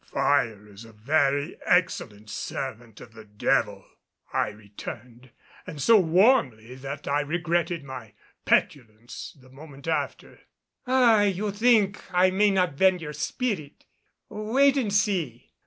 "Fire is a very excellent servant of the devil," I returned, and so warmly that I regretted my petulance the moment after. "Ah, you think I may not bend your spirit! Wait and see.